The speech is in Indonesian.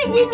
eh si imut